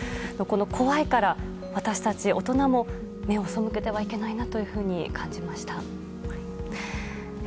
「こわい」から、私たち大人も目を背けてはいけないなというふうに感じました。